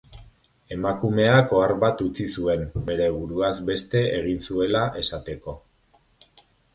Emakumeak ohar bat utzi zuen, bere buruaz beste egin zuela esateko.